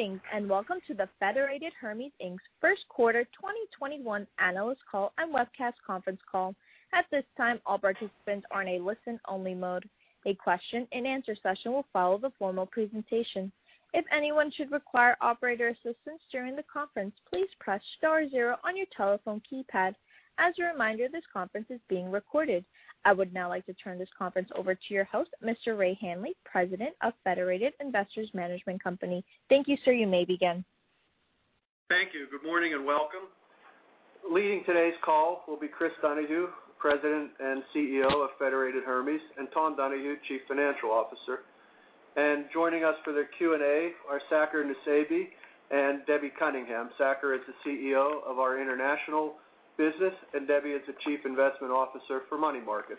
Greetings, welcome to the Federated Hermes, Inc's first quarter 2021 analyst call and webcast conference call. At this time, all participants are in a listen-only mode. A question and answer session will follow the formal presentation. If anyone should require operator assistance during the conference, please press star zero on your telephone keypad. As a reminder, this conference is being recorded. I would now like to turn this conference over to your host, Mr. Ray Hanley, President of Federated Investors Management Company. Thank you, sir. You may begin. Thank you. Good morning and welcome. Leading today's call will be Chris Donahue, President and CEO of Federated Hermes, and Tom Donahue, Chief Financial Officer. Joining us for the Q&A are Saker Nusseibeh and Debbie Cunningham. Saker is the CEO of our international business, and Debbie is the Chief Investment Officer for Money Market.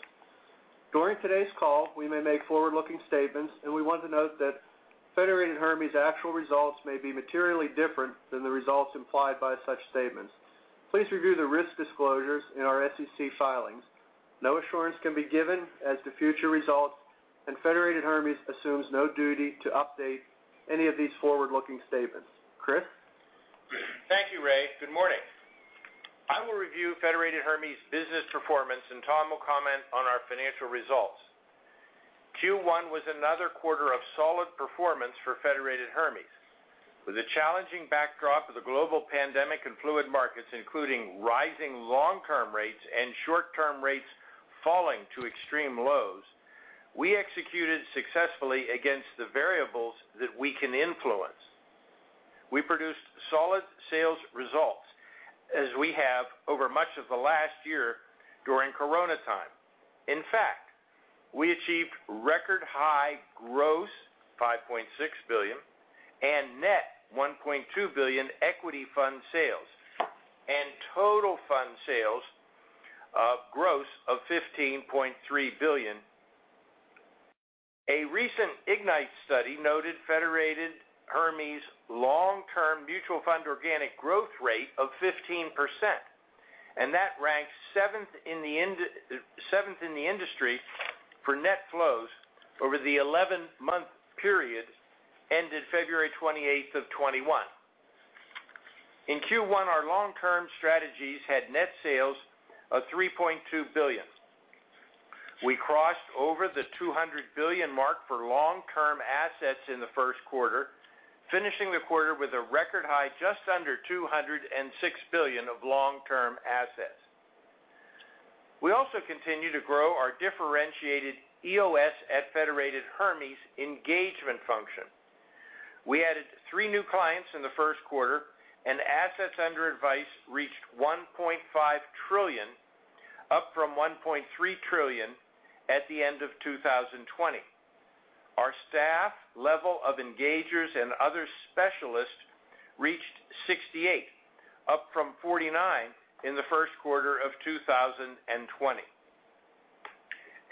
During today's call, we may make forward-looking statements, and we want to note that Federated Hermes' actual results may be materially different than the results implied by such statements. Please review the risk disclosures in our SEC filings. No assurance can be given as to future results, and Federated Hermes assumes no duty to update any of these forward-looking statements. Chris? Thank you, Ray. Good morning. I will review Federated Hermes' business performance, and Tom will comment on our financial results. Q1 was another quarter of solid performance for Federated Hermes. With the challenging backdrop of the global pandemic and fluid markets, including rising long-term rates and short-term rates falling to extreme lows, we executed successfully against the variables that we can influence. We produced solid sales results, as we have over much of the last year during corona time. In fact, we achieved record-high gross, $5.6 billion, and net, $1.2 billion, equity fund sales, and total fund sales of gross of $15.3 billion. A recent Ignites study noted Federated Hermes' long-term mutual fund organic growth rate of 15%, that ranks seventh in the industry for net flows over the 11-month period ended February 28th, 2021. In Q1, our long-term strategies had net sales of $3.2 billion. We crossed over the $200 billion mark for long-term assets in the first quarter, finishing the quarter with a record high just under $206 billion of long-term assets. We also continue to grow our differentiated EOS at Federated Hermes engagement function. We added three new clients in the first quarter, and assets under advice reached $1.5 trillion, up from $1.3 trillion at the end of 2020. Our staff level of engagers and other specialists reached 68 employees, up from 49 employees in the first quarter of 2020.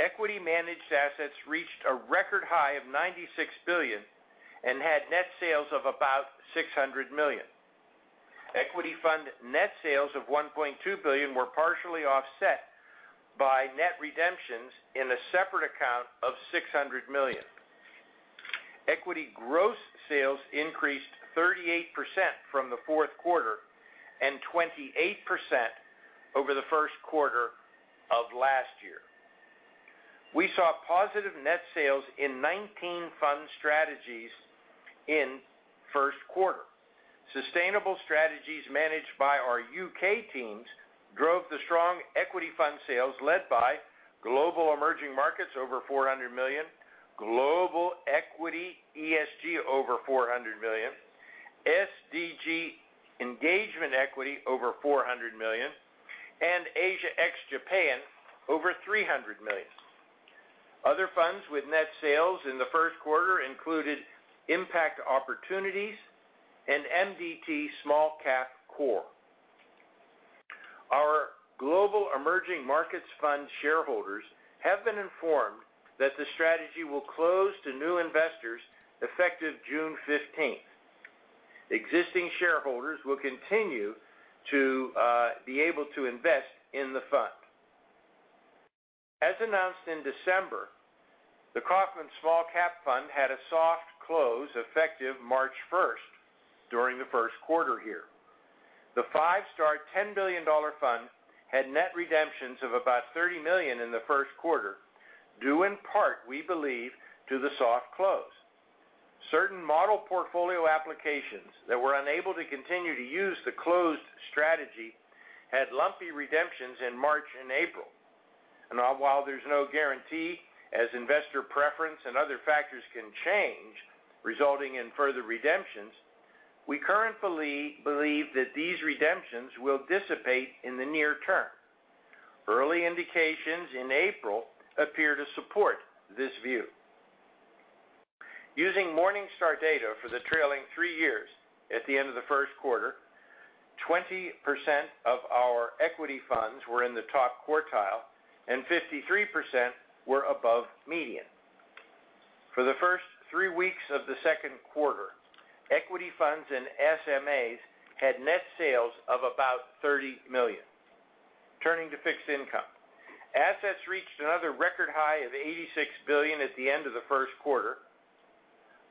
Equity managed assets reached a record high of $96 billion and had net sales of about $600 million. Equity fund net sales of $1.2 billion were partially offset by net redemptions in a separate account of $600 million. Equity gross sales increased 38% from the fourth quarter and 28% over the first quarter of last year. We saw positive net sales in 19 fund strategies in first quarter. Sustainable strategies managed by our U.K. teams drove the strong equity fund sales, led by Global Emerging Markets over $400 million, Global Equity ESG over $400 million, SDG Engagement Equity over $400 million, and Asia Ex-Japan over $300 million. Other funds with net sales in the first quarter included Impact Opportunities and MDT Small Cap Core. Our Global Emerging Markets Fund shareholders have been informed that the strategy will close to new investors effective June 15th. Existing shareholders will continue to be able to invest in the fund. As announced in December, the Kaufmann Small Cap Fund had a soft close effective March 1st during the first quarter here. The five-star $10 billion fund had net redemptions of about $30 million in the first quarter, due in part, we believe, to the soft close. Certain model portfolio applications that were unable to continue to use the closed strategy had lumpy redemptions in March and April. While there's no guarantee, as investor preference and other factors can change, resulting in further redemptions, we currently believe that these redemptions will dissipate in the near term. Early indications in April appear to support this view. Using Morningstar data for the trailing three years at the end of the first quarter, 20% of our equity funds were in the top quartile, and 53% were above median. For the first three weeks of the second quarter, equity funds and SMAs had net sales of about $30 million. Turning to fixed income. Assets reached another record high of $86 billion at the end of the first quarter,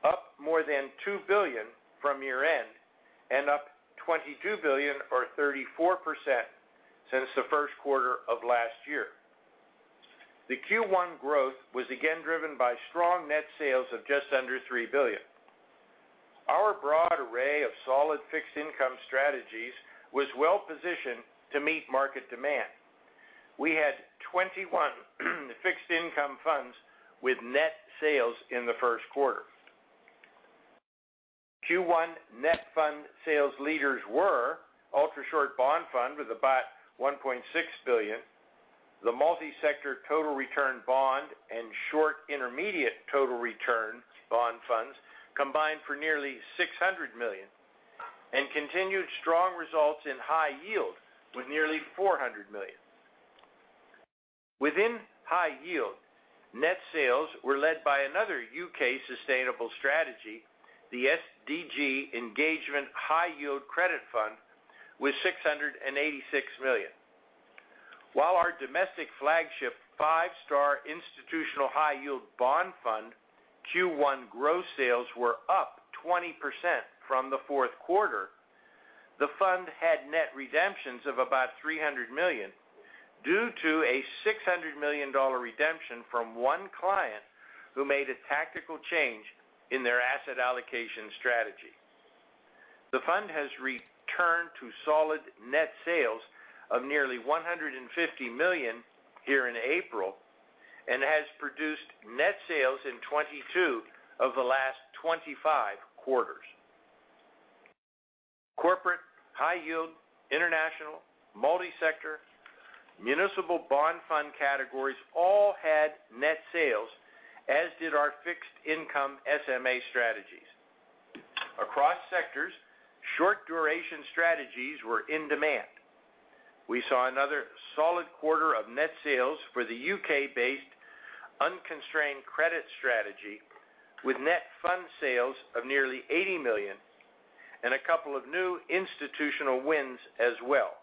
up more than $2 billion from year-end and up $22 billion or 34% since the first quarter of last year. The Q1 growth was again driven by strong net sales of just under $3 billion. Our broad array of solid fixed income strategies was well-positioned to meet market demand. We had 21 fixed income funds with net sales in the first quarter. Q1 net fund sales leaders were Ultrashort Bond Fund with about $1.6 billion, the Multi-Sector Total Return Bond, and Short-Intermediate Total Return Bond funds combined for nearly $600 million, and continued strong results in high yield with nearly $400 million. Within high yield, net sales were led by another U.K. sustainable strategy, the SDG Engagement High Yield Credit Fund, with $686 million. While our domestic flagship five-star Institutional High Yield Bond Fund Q1 gross sales were up 20% from the fourth quarter, the fund had net redemptions of about $300 million due to a $600 million redemption from one client who made a tactical change in their asset allocation strategy. The fund has returned to solid net sales of nearly $150 million here in April and has produced net sales in 22 quarters of the last 25 quarters. Corporate high yield, international, multi-sector, municipal bond fund categories all had net sales, as did our fixed income SMA strategies. Across sectors, short duration strategies were in demand. We saw another solid quarter of net sales for the U.K.-based unconstrained credit strategy, with net fund sales of nearly $80 million and a couple of new institutional wins as well.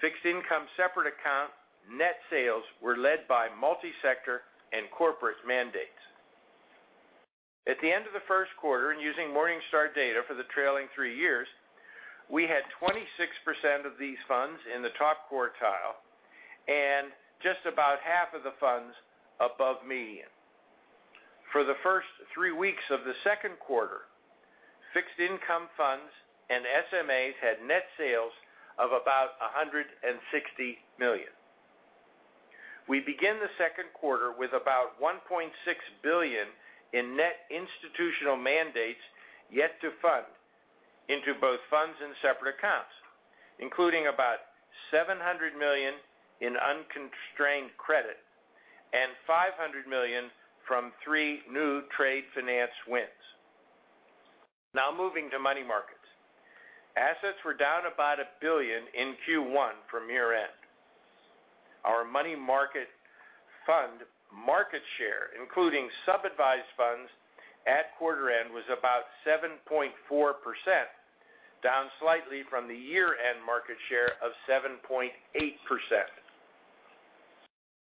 Fixed income separate account net sales were led by multi-sector and corporate mandates. At the end of the first quarter, using Morningstar data for the trailing three years, we had 26% of these funds in the top quartile and just about half of the funds above median. For the first three weeks of the second quarter, fixed income funds and SMAs had net sales of about $160 million. We begin the second quarter with about $1.6 billion in net institutional mandates yet to fund into both funds and separate accounts, including about $700 million in unconstrained credit and $500 million from three new trade finance wins. Moving to money markets. Assets were down about $1 billion in Q1 from year-end. Our money market fund market share, including sub-advised funds, at quarter end was about 7.4%, down slightly from the year-end market share of 7.8%.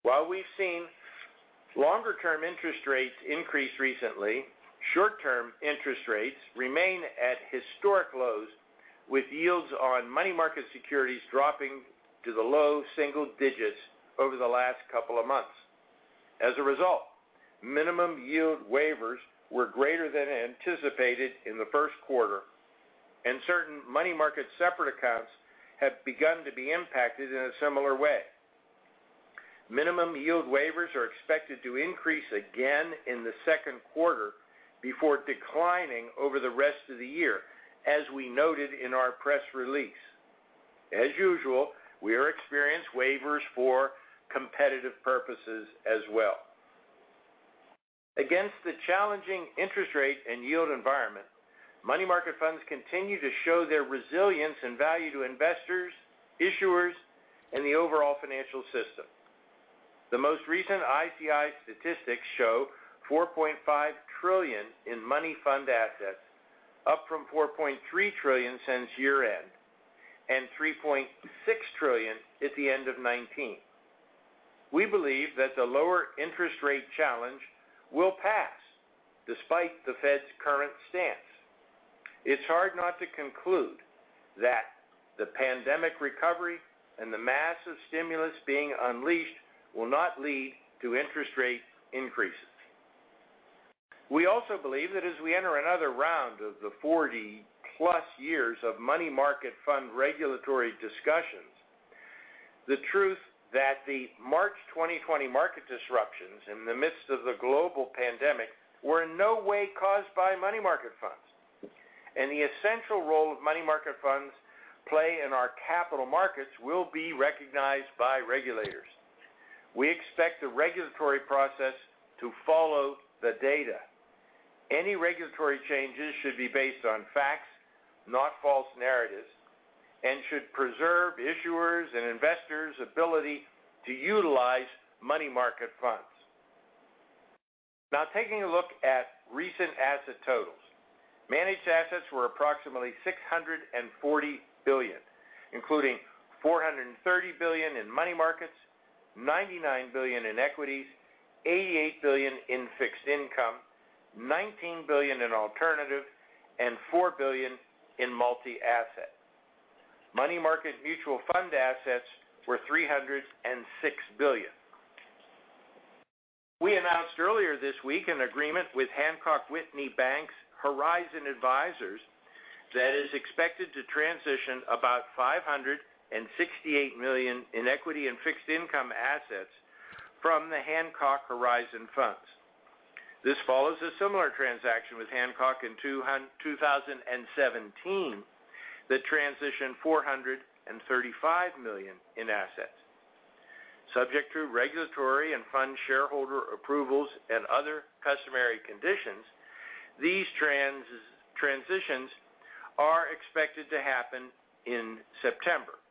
While we've seen longer-term interest rates increase recently, short-term interest rates remain at historic lows, with yields on money market securities dropping to the low single digits over the last couple of months. As a result, minimum yield waivers were greater than anticipated in the first quarter, and certain money market separate accounts have begun to be impacted in a similar way. Minimum yield waivers are expected to increase again in the second quarter before declining over the rest of the year, as we noted in our press release. As usual, we are experienced waivers for competitive purposes as well. Against the challenging interest rate and yield environment, money market funds continue to show their resilience and value to investors, issuers, and the overall financial system. The most recent ICI statistics show $4.5 trillion in money fund assets, up from $4.3 trillion since year-end and $3.6 trillion at the end of 2019. We believe that the lower interest rate challenge will pass despite the Fed's current stance. It's hard not to conclude that the pandemic recovery and the massive stimulus being unleashed will not lead to interest rate increases. We also believe that as we enter another round of the 40+ years of money market fund regulatory discussions, the truth that the March 2020 market disruptions in the midst of the global pandemic were in no way caused by money market funds. The essential role of money market funds play in our capital markets will be recognized by regulators. We expect the regulatory process to follow the data. Any regulatory changes should be based on facts, not false narratives, and should preserve issuers' and investors' ability to utilize money market funds. Taking a look at recent asset totals. Managed assets were approximately $640 billion, including $430 billion in money markets, $99 billion in equities, $88 billion in fixed income, $19 billion in alternative, and $4 billion in multi-asset. Money market mutual fund assets were $306 billion. We announced earlier this week an agreement with Hancock Whitney Bank's Horizon Advisers that is expected to transition about $568 million in equity and fixed income assets from the Hancock Horizon funds. This follows a similar transaction with Hancock in 2017 that transitioned $435 million in assets. Subject to regulatory and fund shareholder approvals and other customary conditions, these transitions are expected to happen in September.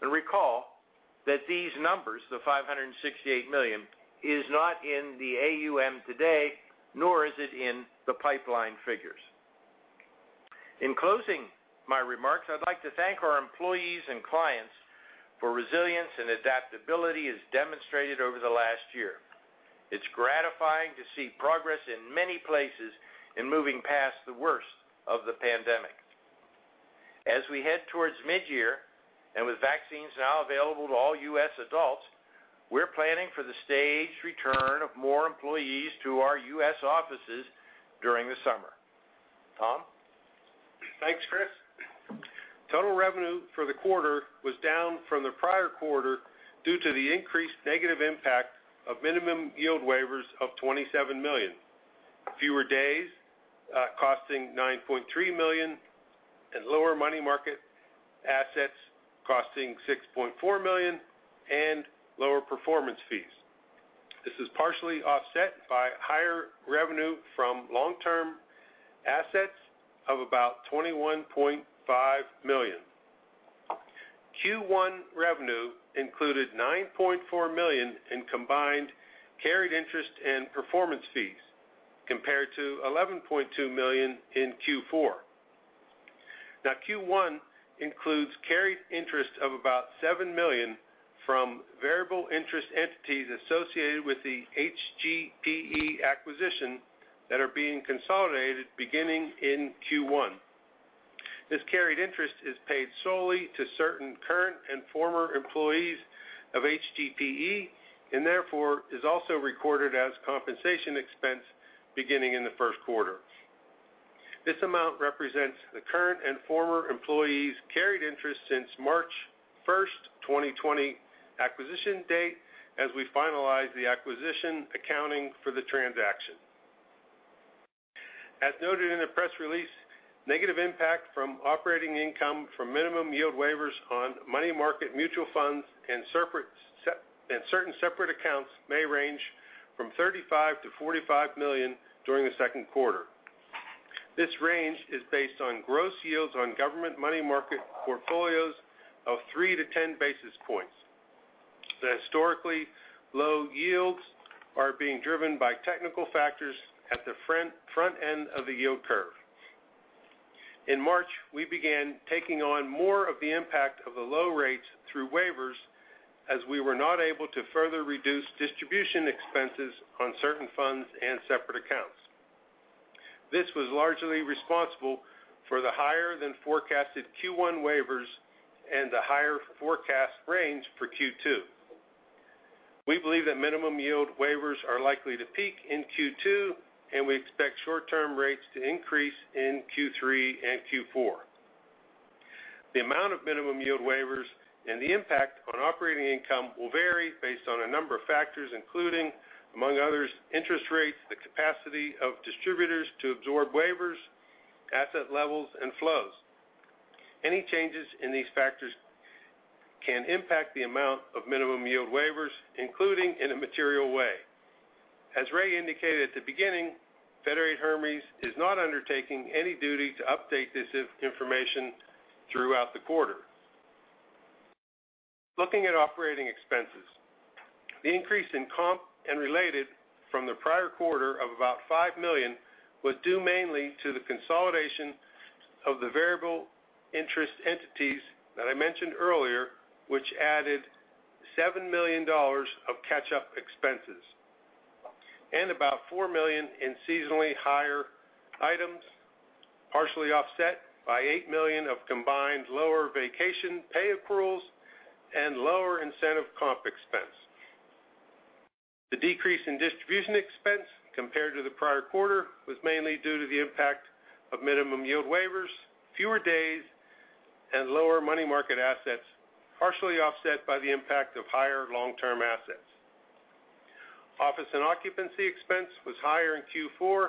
Recall that these numbers, the $568 million, is not in the AUM today, nor is it in the pipeline figures. In closing my remarks, I'd like to thank our employees and clients for resilience and adaptability as demonstrated over the last year. It's gratifying to see progress in many places in moving past the worst of the pandemic. As we head towards mid-year, and with vaccines now available to all U.S. adults, we're planning for the staged return of more employees to our U.S. offices during the summer. Tom? Thanks, Chris. Total revenue for the quarter was down from the prior quarter due to the increased negative impact of minimum yield waivers of $27 million, fewer days costing $9.3 million, and lower money market assets costing $6.4 million, and lower performance fees. This is partially offset by higher revenue from long-term assets of about $21.5 million. Q1 revenue included $9.4 million in combined carried interest and performance fees compared to $11.2 million in Q4. Q1 includes carried interest of about $7 million from variable interest entities associated with the HGPE acquisition that are being consolidated beginning in Q1. This carried interest is paid solely to certain current and former employees of HGPE, and therefore is also recorded as compensation expense beginning in the first quarter. This amount represents the current and former employees' carried interest since March 1st, 2020 acquisition date, as we finalize the acquisition accounting for the transaction. As noted in the press release, negative impact from operating income from minimum yield waivers on money market mutual funds and certain separate accounts may range from $35 million-$45 million during the second quarter. This range is based on gross yields on government money market portfolios of 3 basis points-10 basis points. The historically low yields are being driven by technical factors at the front end of the yield curve. In March, we began taking on more of the impact of the low rates through waivers, as we were not able to further reduce distribution expenses on certain funds and separate accounts. This was largely responsible for the higher than forecasted Q1 waivers and the higher forecast range for Q2. We believe that minimum yield waivers are likely to peak in Q2, and we expect short-term rates to increase in Q3 and Q4. The amount of minimum yield waivers and the impact on operating income will vary based on a number of factors, including, among others, interest rates, the capacity of distributors to absorb waivers, asset levels, and flows. Any changes in these factors can impact the amount of minimum yield waivers, including in a material way. As Ray indicated at the beginning, Federated Hermes is not undertaking any duty to update this information throughout the quarter. Looking at operating expenses. The increase in comp and related from the prior quarter of about $5 million was due mainly to the consolidation of the variable interest entities that I mentioned earlier, which added $7 million of catch-up expenses and about $4 million in seasonally higher items, partially offset by $8 million of combined lower vacation pay accruals and lower incentive comp expense. The decrease in distribution expense compared to the prior quarter was mainly due to the impact of minimum yield waivers, fewer days, and lower money market assets, partially offset by the impact of higher long-term assets. Office and occupancy expense was higher in Q4,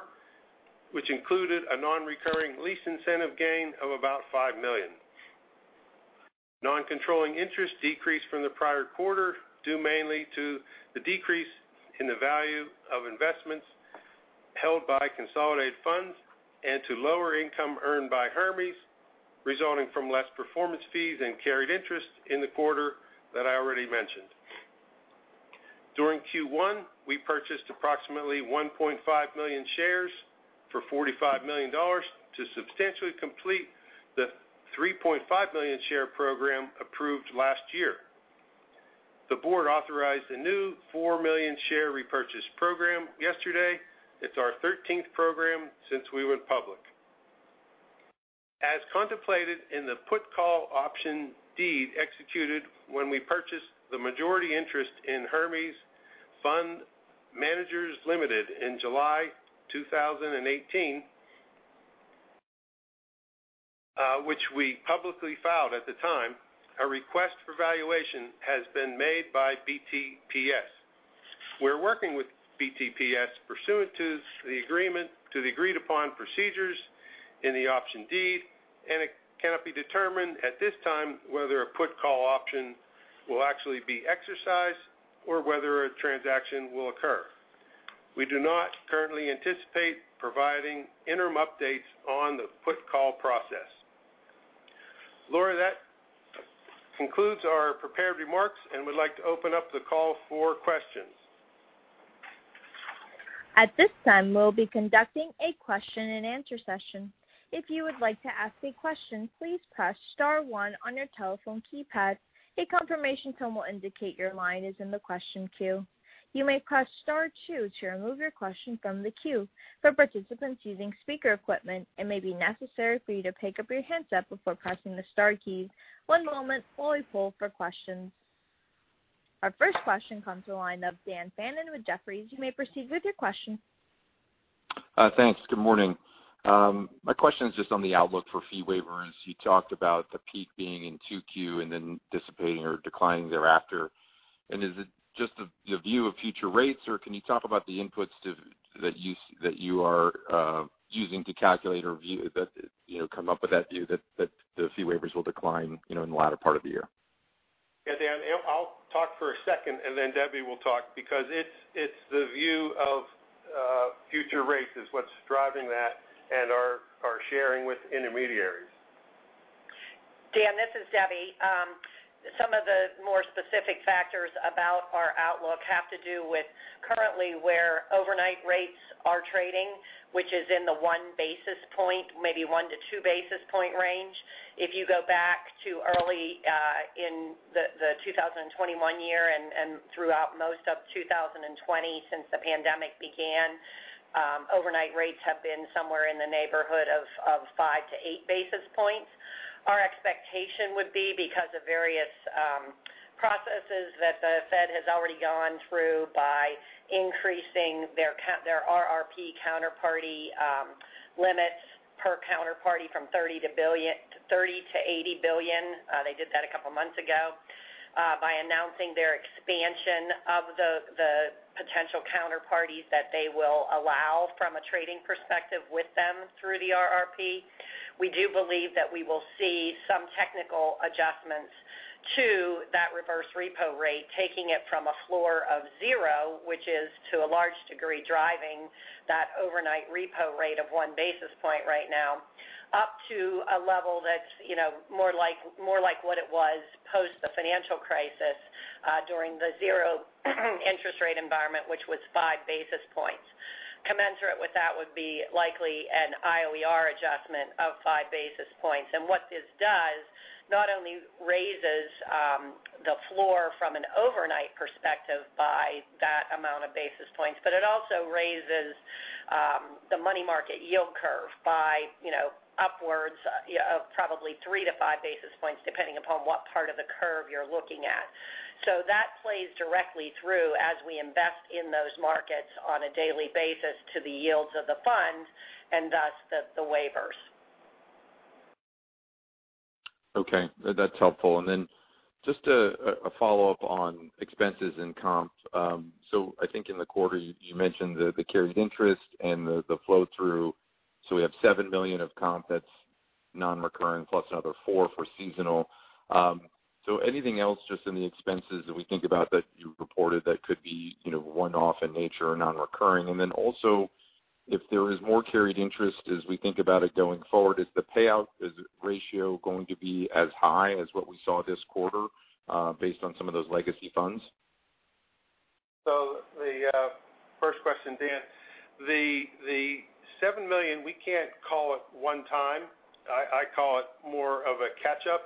which included a non-recurring lease incentive gain of about $5 million. Non-controlling interest decreased from the prior quarter, due mainly to the decrease in the value of investments held by consolidated funds and to lower income earned by Hermes, resulting from less performance fees and carried interest in the quarter that I already mentioned. During Q1, we purchased approximately 1.5 million shares for $45 million to substantially complete the 3.5 million share program approved last year. The Board authorized a new 4 million share repurchase program yesterday. It's our 13th program since we went public. As contemplated in the Put Call Option Deed executed when we purchased the majority interest in Hermes Fund Managers Ltd in July 2018, which we publicly filed at the time, a request for valuation has been made by BTPS. We're working with BTPS pursuant to the agreement to the agreed-upon procedures in the option deed. It cannot be determined at this time whether a put call option will actually be exercised or whether a transaction will occur. We do not currently anticipate providing interim updates on the put call process. Laura, that concludes our prepared remarks, and we'd like to open up the call for questions. At this time, we'll be conducting a question and answer session. If you would like to ask a question, please press star one on your telephone keypad. A confirmation tone will indicate your line is in the question queue. You may press star two to remove your question from the queue. For participants using speaker equipment, it may be necessary for you to pick up your handset before pressing the star keys. One moment while we poll for questions. Our first question comes to the line of Dan Fannon with Jefferies. You may proceed with your question. Thanks. Good morning. My question is just on the outlook for fee waivers. You talked about the peak being in 2Q and then dissipating or declining thereafter. Is it just your view of future rates, or can you talk about the inputs that you are using to calculate or come up with that view that the fee waivers will decline in the latter part of the year? Yeah, Dan, I'll talk for a second and then Debbie will talk because it's the view of future rates is what's driving that and our sharing with intermediaries. Dan, this is Debbie. Some of the more specific factors about our outlook have to do with currently where overnight rates are trading, which is in the 1 basis point, maybe 1 basis point-2 basis points range. If you go back to early in the 2021 year and throughout most of 2020 since the pandemic began, overnight rates have been somewhere in the neighborhood of 5 basis points-8 basis points. Our expectation would be because of various processes that the Fed has already gone through by increasing their RRP counterparty limits per counterparty from $30 billion to $80 billion. They did that a couple of months ago by announcing their expansion of the potential counterparties that they will allow from a trading perspective with them through the RRP. We do believe that we will see some technical adjustments to that reverse repo rate, taking it from a floor of zero, which is to a large degree driving that overnight repo rate of 1 basis point right now, up to a level that's more like what it was post the financial crisis during the zero interest rate environment, which was 5 basis points. Commensurate with that would be likely an IOER adjustment of 5 basis points. What this does not only raises the floor from an overnight perspective by that amount of basis points, but it also raises the money market yield curve by upwards of probably 3 basis points-5 basis points, depending upon what part of the curve you're looking at. That plays directly through as we invest in those markets on a daily basis to the yields of the fund and thus the waivers. Okay. That's helpful. Then just a follow-up on expenses and comps. I think in the quarter you mentioned the carried interest and the flow through. We have $7 million of comp that's non-recurring, plus another $4 million for seasonal. Anything else just in the expenses that we think about that you reported that could be one-off in nature or non-recurring? Then also, if there is more carried interest as we think about it going forward, is the payout ratio going to be as high as what we saw this quarter based on some of those legacy funds? The first question, Dan. The $7 million, we can't call it one time. I call it more of a catch-up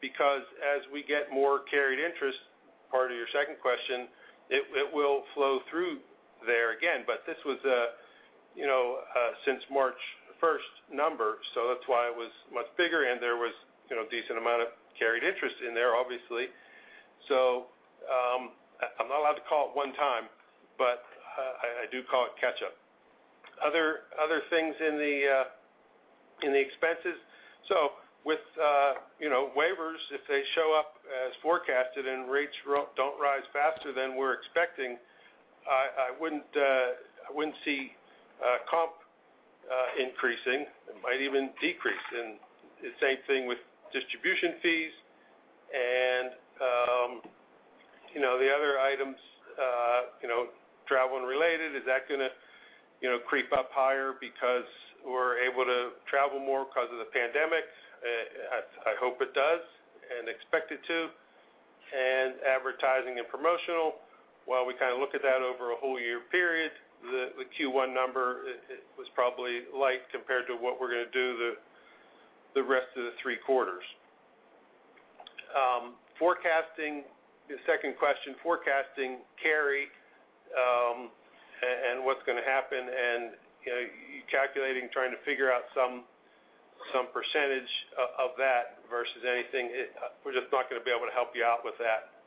because as we get more carried interest, part of your second question, it will flow through there again. This was a since March 1st number, so that's why it was much bigger and there was decent amount of carried interest in there, obviously. I'm not allowed to call it one time, but I do call it catch-up. Other things in the expenses. With waivers, if they show up as forecasted and rates don't rise faster than we're expecting, I wouldn't see comp increasing. It might even decrease. The same thing with distribution fees. The other items, travel unrelated, is that going to creep up higher because we're able to travel more because of the pandemic? I hope it does, and expect it to. Advertising and promotional, while we kind of look at that over a whole year period, the Q1 number was probably light compared to what we're going to do the rest of the three quarters. The second question, forecasting carry and what's going to happen, and calculating, trying to figure out some percentage of that versus anything, we're just not going to be able to help you out with that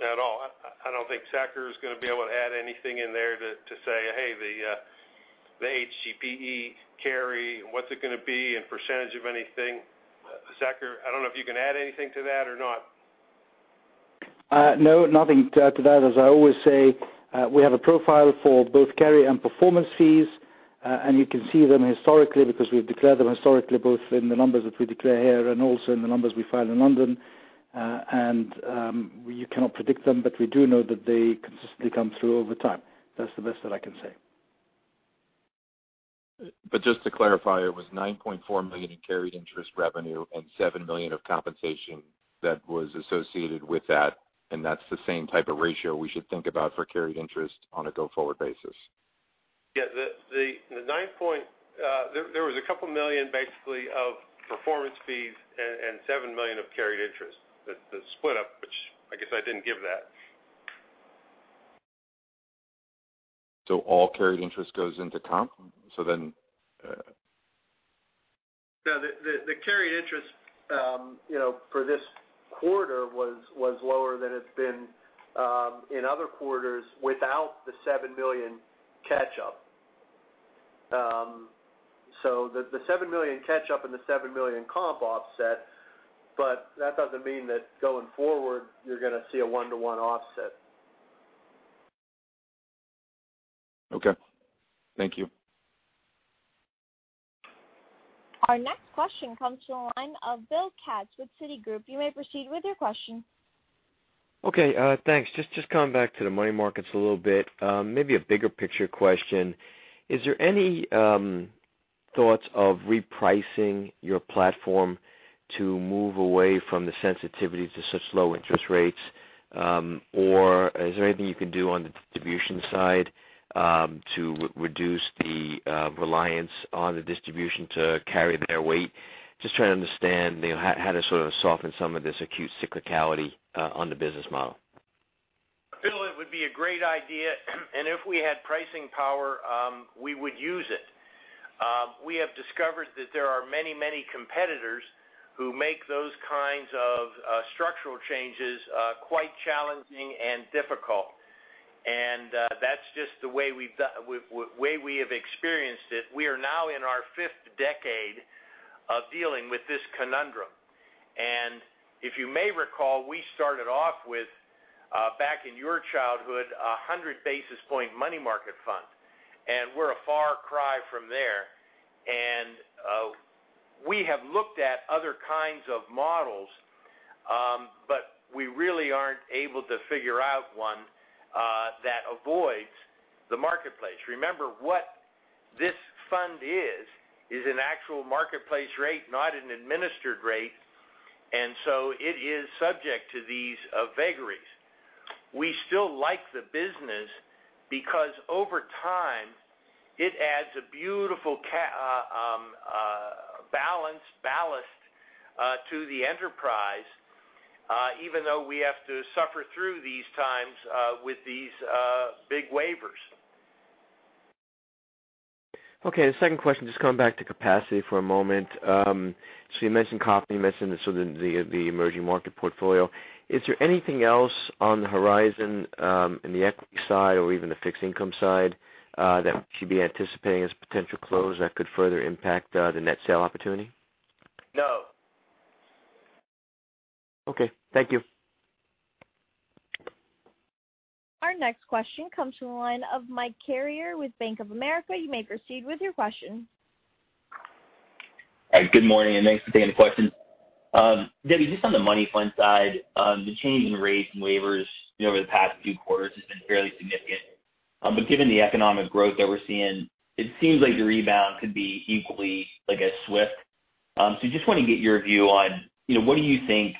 at all. I don't think Saker is going to be able to add anything in there to say, "Hey, the HGPE carry, what's it going to be and percentage of anything?" Saker, I don't know if you can add anything to that or not. No, nothing to add to that. As I always say, we have a profile for both carry and performance fees. You can see them historically because we've declared them historically, both in the numbers that we declare here and also in the numbers we file in London. You cannot predict them, but we do know that they consistently come through over time. That's the best that I can say. Just to clarify, it was $9.4 million in carried interest revenue and $7 million of compensation that was associated with that, and that's the same type of ratio we should think about for carried interest on a go-forward basis. Yeah. There was a couple million basically of performance fees and $7 million of carried interest. The split up, which I guess I didn't give that. All carried interest goes into comp? No, the carried interest for this quarter was lower than it's been in other quarters without the $7 million catch up. The $7 million catch up and the $7 million comp offset, but that doesn't mean that going forward you're going to see a one-to-one offset. Okay. Thank you. Our next question comes from the line of Bill Katz with Citigroup. You may proceed with your question. Okay, thanks. Just coming back to the money markets a little bit. Maybe a bigger picture question. Is there any thoughts of repricing your platform to move away from the sensitivity to such low interest rates? Is there anything you can do on the distribution side to reduce the reliance on the distribution to carry their weight? Just trying to understand how to sort of soften some of this acute cyclicality on the business model. Bill, it would be a great idea, and if we had pricing power, we would use it. We have discovered that there are many competitors who make those kinds of structural changes quite challenging and difficult. That's just the way we have experienced it. We are now in our fifth decade of dealing with this conundrum. If you may recall, we started off with, back in your childhood, 100 basis point money market fund. We're a far cry from there. We have looked at other kinds of models, but we really aren't able to figure out one that avoids the marketplace. Remember, what this fund is an actual marketplace rate, not an administered rate, and so it is subject to these vagaries. We still like the business because over time, it adds a beautiful balance, ballast to the enterprise, even though we have to suffer through these times with these big waivers. Okay. The second question, just coming back to capacity for a moment. You mentioned comp, you mentioned the sort of the emerging market portfolio. Is there anything else on the horizon in the equity side or even the fixed income side that we should be anticipating as potential close that could further impact the net sale opportunity? No. Okay. Thank you. Our next question comes from the line of Mike Carrier with Bank of America. You may proceed with your question. Good morning, and thanks for taking the question. Debbie, just on the money fund side, the change in rates and waivers over the past few quarters has been fairly significant. Given the economic growth that we're seeing, it seems like the rebound could be equally as swift. Just want to get your view on what do you think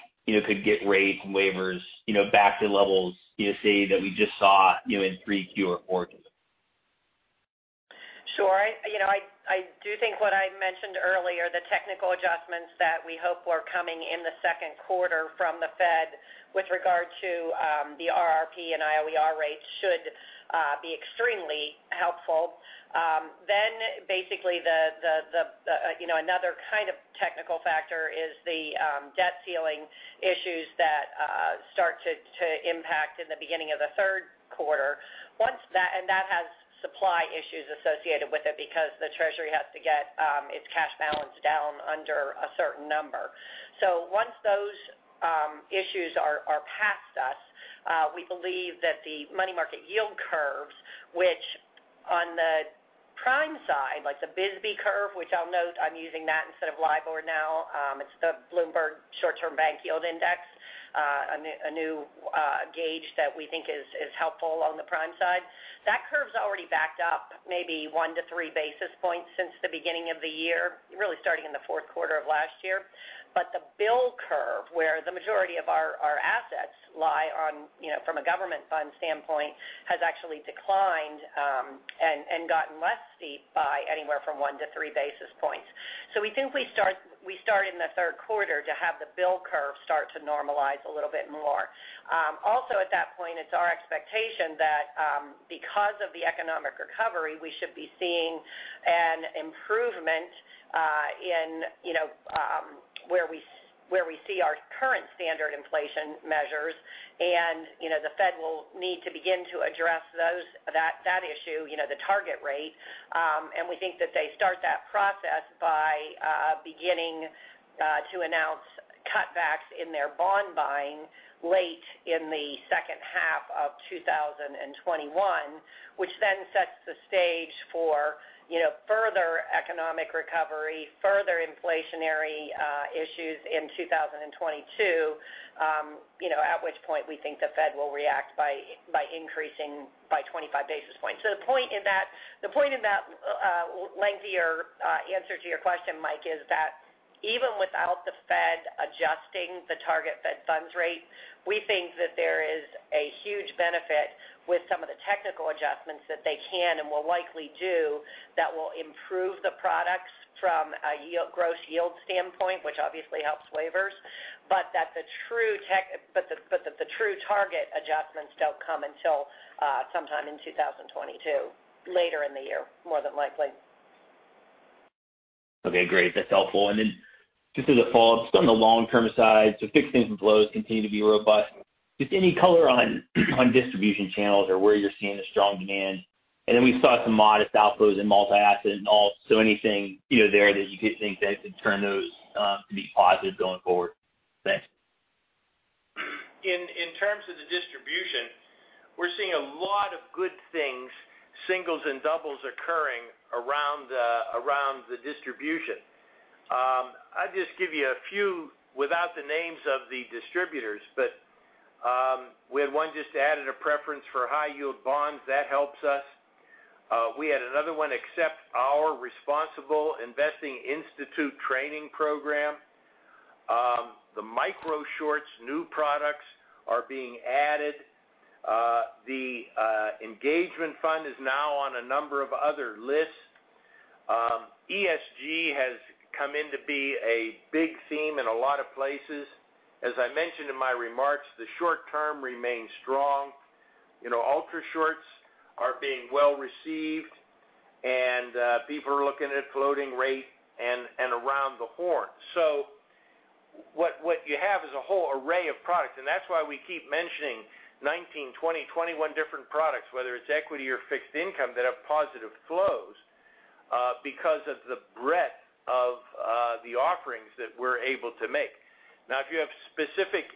could get rates and waivers back to levels say that we just saw in 3Q or 4Q? Sure. I do think what I mentioned earlier, the technical adjustments that we hope were coming in the second quarter from the Fed with regard to the RRP and IOER rates should be extremely helpful. Basically another kind of technical factor is the debt ceiling issues that start to impact in the beginning of the third quarter. That has supply issues associated with it because the Treasury has to get its cash balance down under a certain number. Once those issues are past us, we believe that the money market yield curves, which on the Prime side, like the BSBY curve, which I'll note I'm using that instead of LIBOR now. It's the Bloomberg Short-Term Bank Yield Index, a new gauge that we think is helpful on the Prime side. That curve's already backed up maybe 1 basis point to 3 basis points since the beginning of the year, really starting in the fourth quarter of last year. The bill curve, where the majority of our assets lie on from a government fund standpoint, has actually declined and gotten less steep by anywhere from 1 basis point-3 basis points. We think we start in the third quarter to have the bill curve start to normalize a little bit more. Also at that point, it's our expectation that because of the economic recovery, we should be seeing an improvement in where we see our current standard inflation measures, and the Fed will need to begin to address that issue, the target rate. We think that they start that process by beginning to announce cutbacks in their bond buying late in the second half of 2021. Sets the stage for further economic recovery, further inflationary issues in 2022, at which point we think the Fed will react by increasing by 25 basis points. The point in that lengthier answer to your question, Mike, is that even without the Fed adjusting the target Fed funds rate, we think that there is a huge benefit with some of the technical adjustments that they can and will likely do that will improve the products from a gross yield standpoint, which obviously helps waivers, but that the true target adjustments don't come until sometime in 2022, later in the year, more than likely. Okay, great. That's helpful. Just as a follow-up, still on the long-term side, fixed income flows continue to be robust. Just any color on distribution channels or where you're seeing the strong demand? We saw some modest outflows in multi-asset and all, anything there that you could think that could turn those to be positive going forward? Thanks. In terms of the distribution, we're seeing a lot of good things, singles and doubles occurring around the distribution. I'll just give you a few without the names of the distributors, but we had one just added a preference for high-yield bonds. That helps us. We had another one accept our Responsible Investing Institute training program. The micro shorts new products are being added. The engagement fund is now on a number of other lists. ESG has come in to be a big theme in a lot of places. As I mentioned in my remarks, the short term remains strong. Ultra shorts are being well-received, and people are looking at floating rate and around the horn. What you have is a whole array of products. That's why we keep mentioning 19 products, 20 products, 21 different products, whether it's equity or fixed income, that have positive flows, because of the breadth of the offerings that we're able to make. If you have specific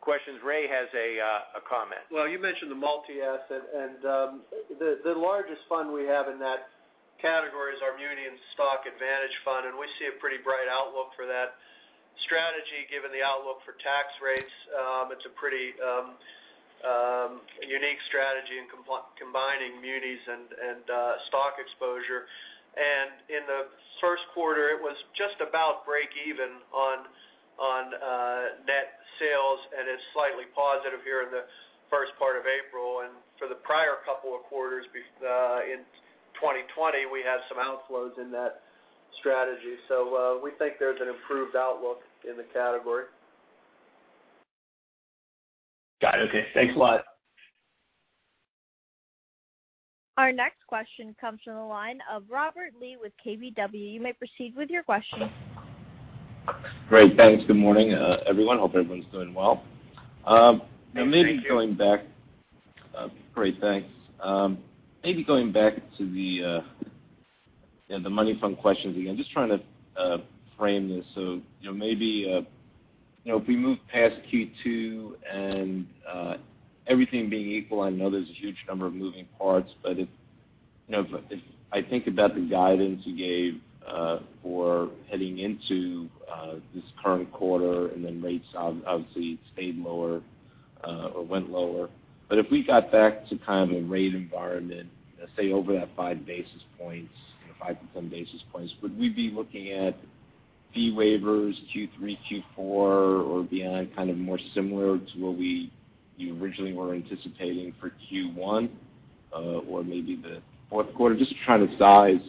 questions, Ray has a comment. You mentioned the multi-asset. The largest fund we have in that category is our Muni and Stock Advantage Fund. We see a pretty bright outlook for that strategy given the outlook for tax rates. It's a pretty unique strategy in combining Muni's and stock exposure. In the first quarter, it was just about break even on net sales and is slightly positive here in the first part of April. For the prior couple of quarters in 2020, we had some outflows in that strategy. We think there's an improved outlook in the category. Got it. Okay. Thanks a lot. Our next question comes from the line of Robert Lee with KBW. You may proceed with your question. Great. Thanks. Good morning, everyone. Hope everyone's doing well. Thank you. Great, thanks. Maybe going back to the money fund questions again, just trying to frame this. Maybe if we move past Q2 and everything being equal, I know there's a huge number of moving parts, but if I think about the guidance you gave for heading into this current quarter, and then rates obviously stayed lower or went lower. If we got back to kind of a rate environment, let's say over that 5 basis points, 5 basis points-10 basis points, would we be looking at fee waivers Q3, Q4 or beyond, kind of more similar to what we originally were anticipating for Q1 or maybe the fourth quarter? Just trying to size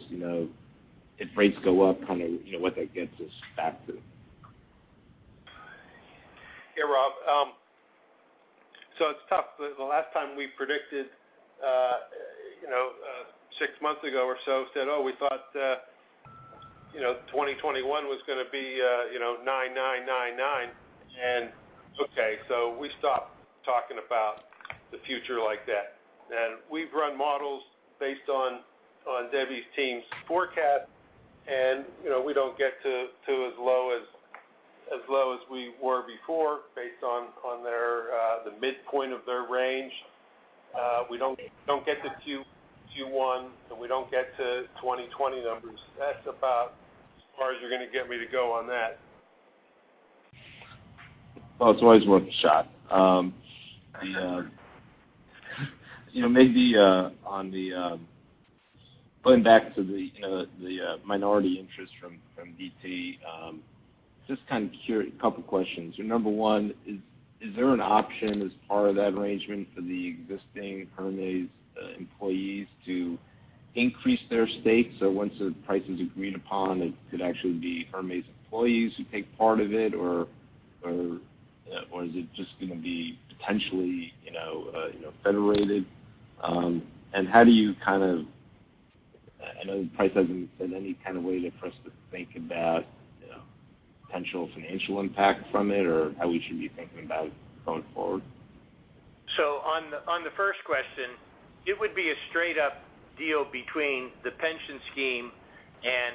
if rates go up, kind of what that gets us back to. Yeah, Rob. It's tough. The last time we predicted, six months ago or so, said, Oh, we thought 2021 was going to be 9999. We stopped talking about the future like that. We've run models based on Debbie's team's forecast, we don't get to as low as we were before based on the midpoint of their range. We don't get to Q1, and we don't get to 2020 numbers. That's about as far as you're going to get me to go on that. Well, it's always worth a shot. Maybe going back to the minority interest from BTPS, just kind of curious, a couple of questions. Number one, is there an option as part of that arrangement for the existing Hermes employees to increase their stake? Once the price is agreed upon, it could actually be Hermes employees who take part of it, or is it just going to be potentially Federated? I know the price hasn't been any kind of way for us to think about potential financial impact from it or how we should be thinking about going forward. On the first question, it would be a straight-up deal between the pension scheme and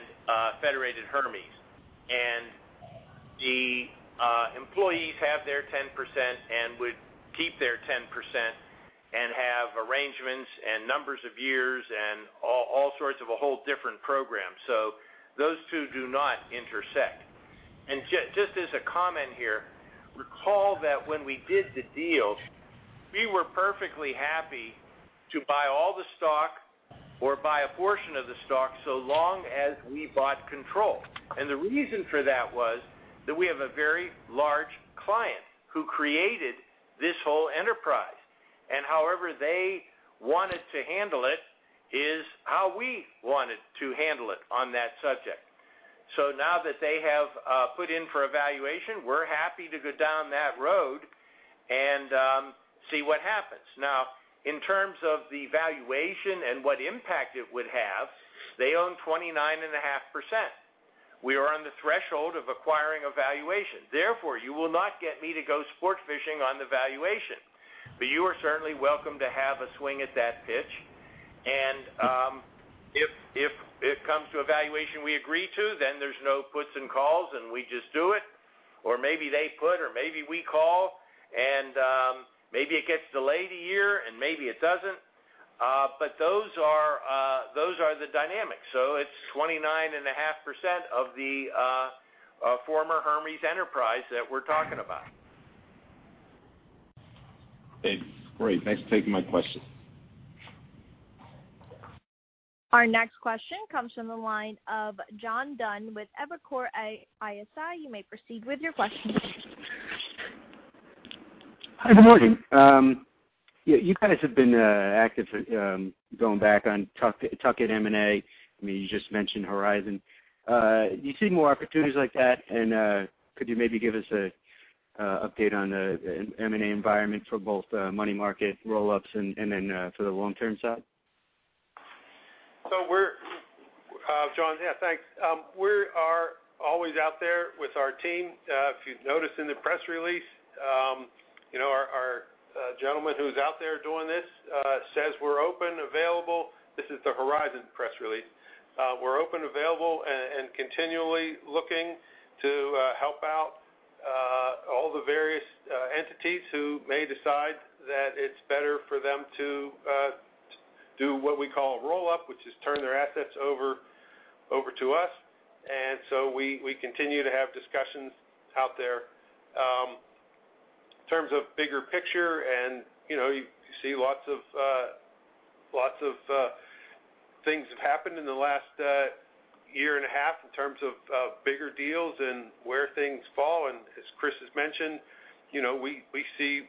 Federated Hermes. The employees have their 10% and would keep their 10% and have arrangements and numbers of years and all sorts of a whole different program. Those two do not intersect. Just as a comment here, recall that when we did the deal, we were perfectly happy to buy all the stock or buy a portion of the stock so long as we bought control. The reason for that was that we have a very large client who created this whole enterprise. However they wanted to handle it is how we wanted to handle it on that subject. Now that they have put in for a valuation, we're happy to go down that road and see what happens. In terms of the valuation and what impact it would have, they own 29.5%. We are on the threshold of acquiring a valuation. You will not get me to go sport fishing on the valuation. You are certainly welcome to have a swing at that pitch. If it comes to a valuation we agree to, there's no puts and calls, we just do it. Maybe they put, maybe we call, maybe it gets delayed a year, maybe it doesn't. Those are the dynamics. It's 29.5% of the former Hermes enterprise that we're talking about. Great. Thanks for taking my question. Our next question comes from the line of John Dunn with Evercore ISI. You may proceed with your question. Hi, good morning. You guys have been active going back on tuck at M&A. You just mentioned Horizon. Do you see more opportunities like that? Could you maybe give us an update on the M&A environment for both money market roll-ups and then for the long-term side? John, yeah, thanks. We are always out there with our team. If you've noticed in the press release, our gentleman who's out there doing this says we're open, available. This is the Horizon press release. We're open, available, and continually looking to help out all the various entities who may decide that it's better for them to do what we call a roll-up, which is turn their assets over to us. We continue to have discussions out there. In terms of bigger picture, and you see lots of things have happened in the last year and a half in terms of bigger deals and where things fall. As Chris has mentioned, we see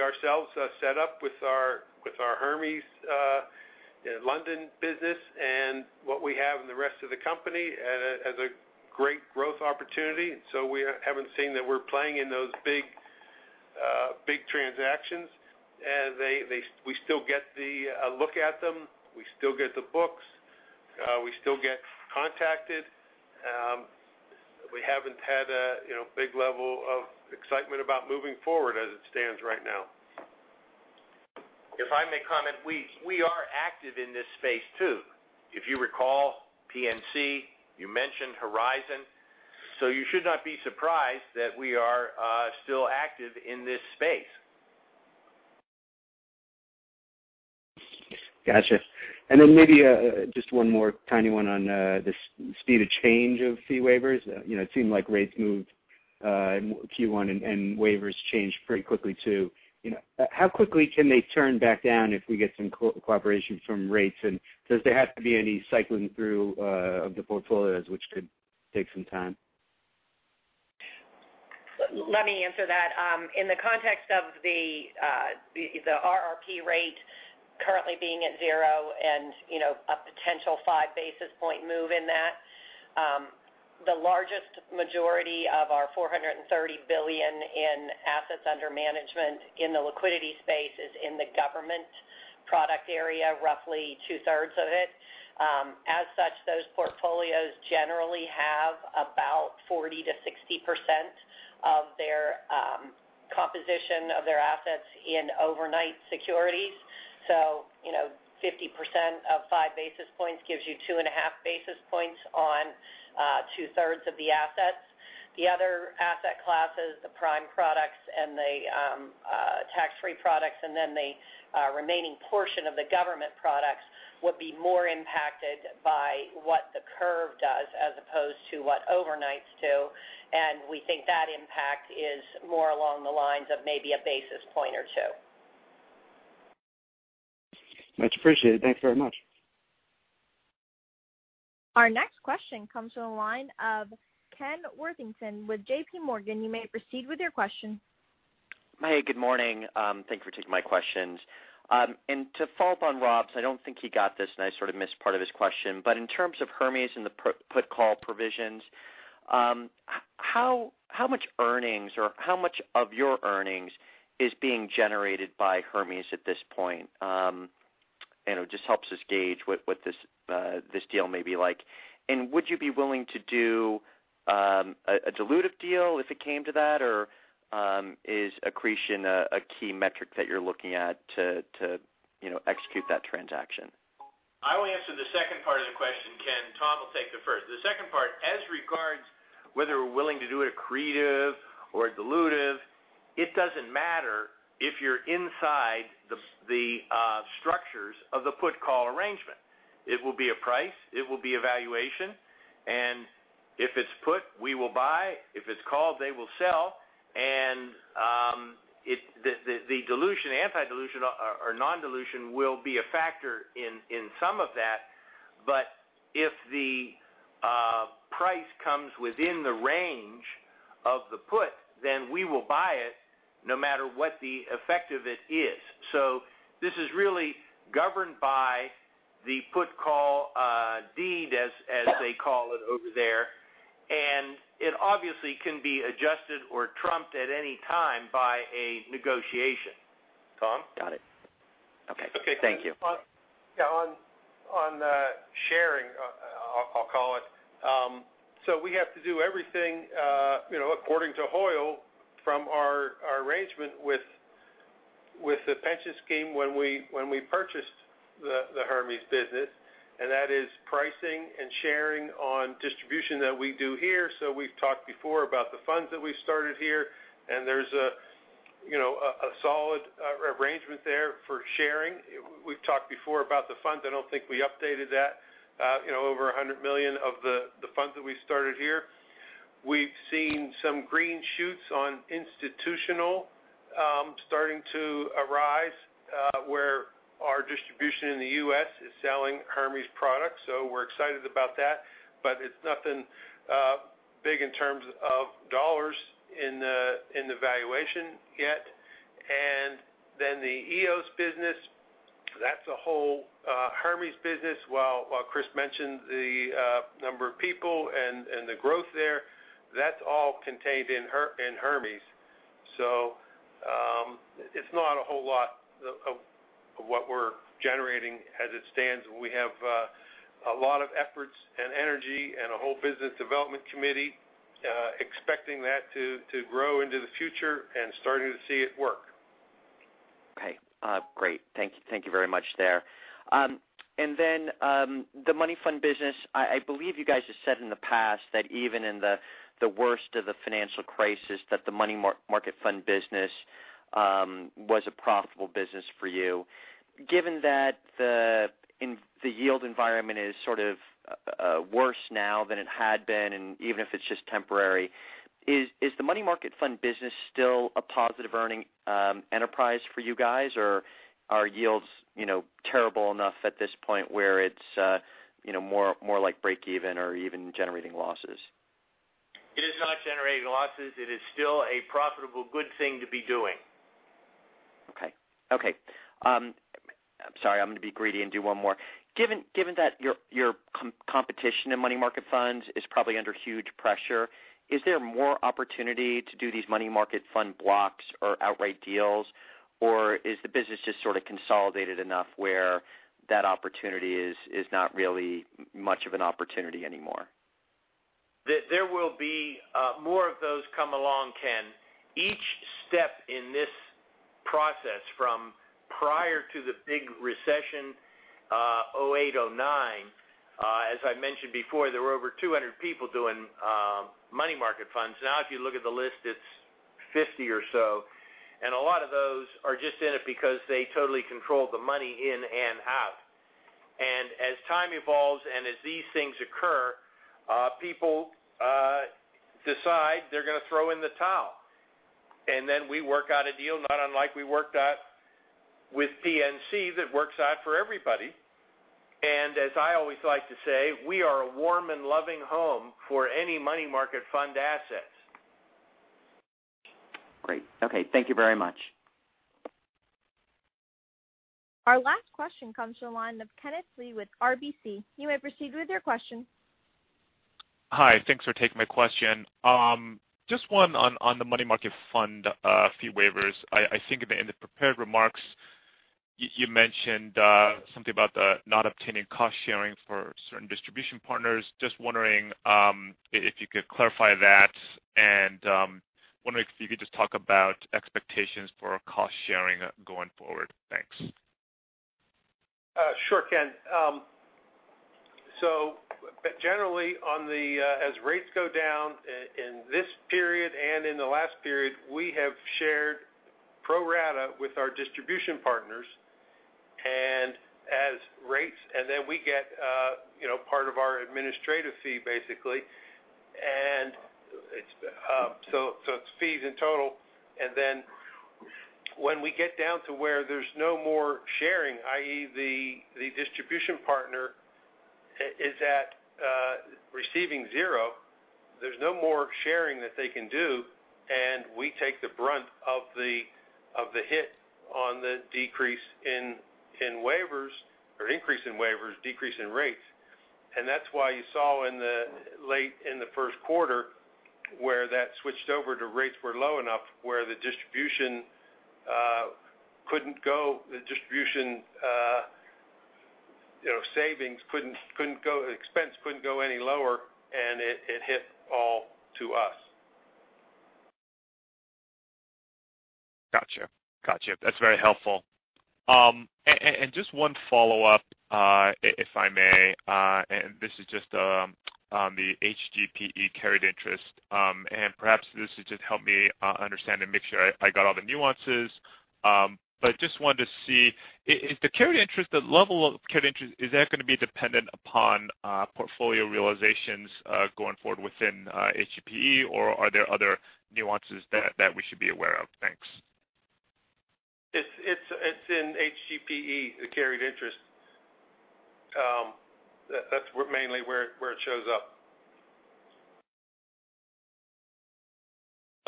ourselves set up with our Hermes London business and what we have in the rest of the company as a great growth opportunity. We haven't seen that we're playing in those big transactions. We still get a look at them. We still get the books. We still get contacted. We haven't had a big level of excitement about moving forward as it stands right now. If I may comment, we are active in this space, too. If you recall, PNC, you mentioned Horizon. You should not be surprised that we are still active in this space. Got you. Maybe just one more tiny one on the speed of change of fee waivers. It seemed like rates moved in Q1 and waivers changed pretty quickly, too. How quickly can they turn back down if we get some cooperation from rates? Does there have to be any cycling through of the portfolios which could take some time? Let me answer that. In the context of the RRP rate currently being at zero and a potential 5-basis point move in that, the largest majority of our $430 billion in assets under management in the liquidity space is in the government product area, roughly 2/3 of it. As such, those portfolios generally have about 40%-60% of their composition of their assets in overnight securities. 50% of 5 basis points gives you 2.5 basis points on 2/3 of the assets. The other asset classes, the prime products and the tax-free products, and then the remaining portion of the government products would be more impacted by what the curve does as opposed to what overnights do. We think that impact is more along the lines of maybe a basis point or 2 basis points. Much appreciated. Thanks very much. Our next question comes from the line of Ken Worthington with JPMorgan. You may proceed with your question. Hey, good morning. Thank you for taking my questions. To follow up on Rob's, I don't think he got this, and I sort of missed part of his question, but in terms of Hermes and the put call provisions, how much earnings or how much of your earnings is being generated by Hermes at this point? It just helps us gauge what this deal may be like. Would you be willing to do a dilutive deal if it came to that? Or is accretion a key metric that you're looking at to execute that transaction? I will answer the second part of the question, Ken. Tom will take the first. The second part, as regards whether we're willing to do accretive or dilutive, it doesn't matter if you're inside the structures of the put call arrangement. It will be a price, it will be valuation. If it's put, we will buy. If it's call, they will sell. The dilution, anti-dilution or non-dilution will be a factor in some of that. If the price comes within the range of the put, then we will buy it no matter what the effect of it is. This is really governed by the put call deed as they call it over there. It obviously can be adjusted or trumped at any time by a negotiation. Tom? Got it. Okay. Thank you. Yeah. On sharing, I'll call it. We have to do everything according to Hoyle from our arrangement with the pension scheme when we purchased the Hermes business. That is pricing and sharing on distribution that we do here. We've talked before about the funds that we've started here, and there's a solid arrangement there for sharing. We've talked before about the funds. I don't think we updated that. Over $100 million of the funds that we started here. We've seen some green shoots on institutional starting to arise where our distribution in the U.S. is selling Hermes products. We're excited about that. It's nothing big in terms of US dollars in the valuation yet. Then the EOS business, that's a whole Hermes business. While Chris mentioned the number of people and the growth there, that's all contained in Hermes. It's not a whole lot of what we're generating as it stands. We have a lot of efforts and energy and a whole business development committee expecting that to grow into the future and starting to see it work. Okay. Great. Thank you very much there. The money fund business, I believe you guys have said in the past that even in the worst of the financial crisis, that the money market fund business was a profitable business for you. Given that the yield environment is sort of worse now than it had been, and even if it's just temporary, is the money market fund business still a positive earning enterprise for you guys? Or are yields terrible enough at this point where it's more like breakeven or even generating losses? It is not generating losses. It is still a profitable, good thing to be doing. Okay. I'm sorry, I'm going to be greedy and do one more. Given that your competition in money market funds is probably under huge pressure, is there more opportunity to do these money market fund blocks or outright deals? Or is the business just sort of consolidated enough where that opportunity is not really much of an opportunity anymore? There will be more of those come along, Ken. Each step in this process from prior to the big recession, 2008, 2009, as I mentioned before, there were over 200 people doing money market funds. If you look at the list, it's 50 people or so. A lot of those are just in it because they totally control the money in and out. As time evolves and as these things occur, people decide they're going to throw in the towel. Then we work out a deal, not unlike we worked out with PNC, that works out for everybody. As I always like to say, we are a warm and loving home for any money market fund assets. Great. Okay. Thank you very much. Our last question comes from the line of Kenneth Lee with RBC. You may proceed with your question. Hi. Thanks for taking my question. Just one on the money market fund fee waivers. I think in the prepared remarks. You mentioned something about not obtaining cost sharing for certain distribution partners. Just wondering if you could clarify that, and wondering if you could just talk about expectations for cost sharing going forward. Thanks. Sure, Ken. Generally, as rates go down in this period and in the last period, we have shared pro rata with our distribution partners, we get part of our administrative fee, basically. It's fees in total. When we get down to where there's no more sharing, i.e., the distribution partner is at receiving zero, there's no more sharing that they can do, we take the brunt of the hit on the decrease in waivers or increase in waivers, decrease in rates. That's why you saw late in the first quarter where that switched over to rates were low enough, where the distribution expense couldn't go any lower, it hit all to us. Got you. That's very helpful. Just one follow-up, if I may, and this is just on the HGPE carried interest. Perhaps this will just help me understand and make sure I got all the nuances. Just wanted to see, is the level of carried interest, is that going to be dependent upon portfolio realizations going forward within HGPE, or are there other nuances that we should be aware of? Thanks. It's in HGPE, the carried interest. That's mainly where it shows up.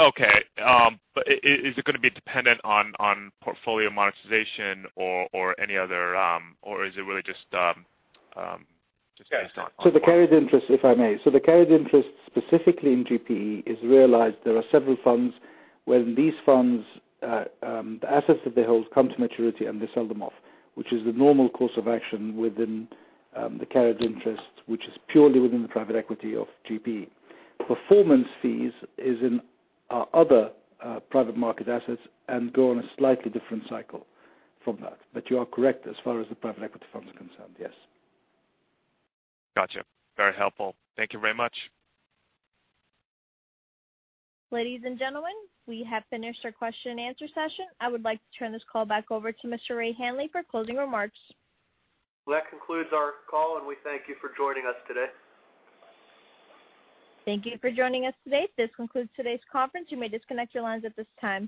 Okay. Is it going to be dependent on portfolio monetization? The carried interest, if I may. The carried interest specifically in GPE is realized. There are several funds, when these funds, the assets that they hold come to maturity and they sell them off. Which is the normal course of action within the carried interest, which is purely within the private equity of GPE. Performance fees is in our other private market assets and go on a slightly different cycle from that. You are correct as far as the private equity fund is concerned, yes. Got you. Very helpful. Thank you very much. Ladies and gentlemen, we have finished our question and answer session. I would like to turn this call back over to Mr. Ray Hanley for closing remarks. Well, that concludes our call, and we thank you for joining us today. Thank you for joining us today. This concludes today's conference. You may disconnect your lines at this time.